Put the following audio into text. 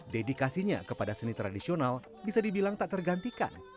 dedikasinya kepada seni tradisional bisa dibilang tak tergantikan